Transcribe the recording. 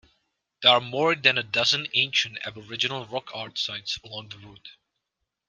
There are more than a dozen ancient Aboriginal rock art sites along the route.